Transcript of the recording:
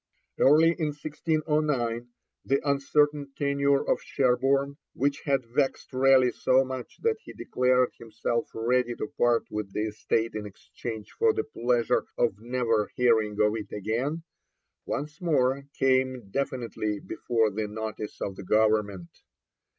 Early in 1609, the uncertain tenure of Sherborne, which had vexed Raleigh so much that he declared himself ready to part with the estate in exchange for the pleasure of never hearing of it again, once more came definitely before the notice of the Government.